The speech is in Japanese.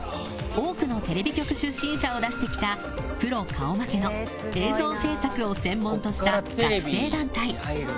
多くのテレビ局出身者を出してきたプロ顔負けの映像制作を専門とした学生団体。